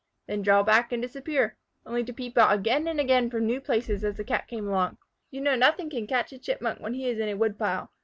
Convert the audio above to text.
then draw back and disappear, only to peep out again and again from new places as the Cat came along. You know nothing can catch a Chipmunk when he is in a woodpile.